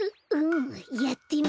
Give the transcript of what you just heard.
やってみる。